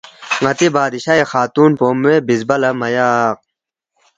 ن٘تی بادشائی خاتُون پو موے بِزبا لہ مِہ یق